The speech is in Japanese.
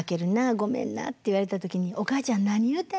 ごめんな」って言われた時に「おかあちゃん何言うてんの。